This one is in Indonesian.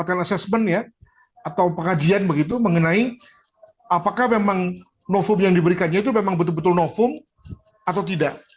jadi mendapatkan assessment ya atau pengajian begitu mengenai apakah memang nofum yang diberikannya itu memang betul betul nofum atau tidak